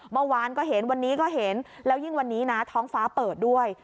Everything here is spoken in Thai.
เมื่อวานก็เห็นวันนี้ก็เห็นแล้วยิ่งวันนี้นะท้องฟ้าเปิดด้วย